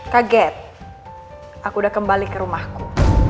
kaget aku udah kembali ke rumahku